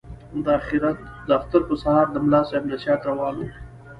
د اختر په سهار د ملا صاحب نصیحت روان وو.